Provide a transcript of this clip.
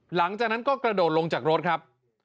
หลังจากนั้นก็กระโดดลงจากรถครับ